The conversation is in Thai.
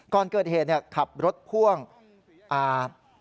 ก่อนเกิดเหตุเนี่ยขับรถพ่วงอ่า